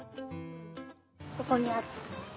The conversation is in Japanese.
ここにあった。